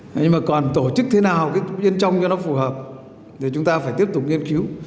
nhưng mà còn tổ chức thế nào cái nguyên trong cho nó phù hợp thì chúng ta phải tiếp tục nghiên cứu